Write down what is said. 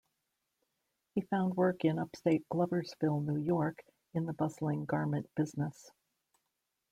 He found work in upstate Gloversville, New York, in the bustling garment business.